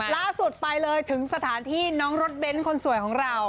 ล่าสุดไปเลยถึงสถานที่น้องรถเบ้นคนสวยของเรา